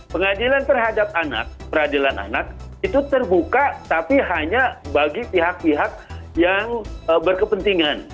pengadilan terhadap anak peradilan anak itu terbuka tapi hanya bagi pihak pihak yang berkepentingan